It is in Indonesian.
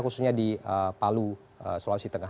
khususnya di palu sulawesi tengah